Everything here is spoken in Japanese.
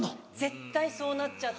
絶対そうなっちゃって。